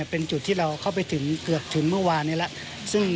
เป็นจุดที่เราเข้าไปถึงเกือบถึงเมื่อวานนี้แล้ว